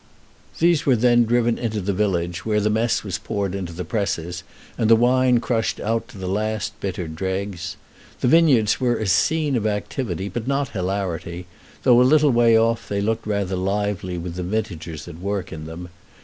These were then driven into the village, where the mess was poured into the presses, and the wine crushed out to the last bitter dregs. The vineyards were a scene of activity, but not hilarity, though a little way off they looked rather lively with the vintagers at work in them.